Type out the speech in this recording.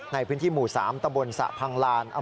ในพื้นที่หมู่๓ตะบนสะพังลาน